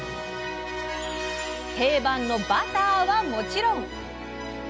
定番のバターはもちろん！